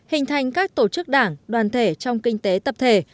hình thành các tổ chức đảng đoàn thể trong kinh tế tập thể